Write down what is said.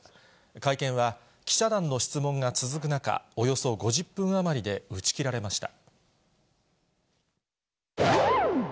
会見は、記者団の質問が続く中、およそ５０分余りで打ち切られました。